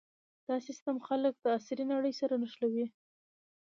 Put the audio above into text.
دا سیستم خلک د عصري نړۍ سره نښلوي.